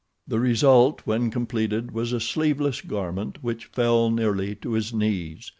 The result when completed was a sleeveless garment which fell nearly to his knees.